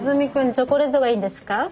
チョコレートがいいですか？